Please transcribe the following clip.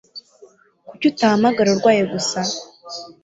Kuki utahamagaye urwaye gusa?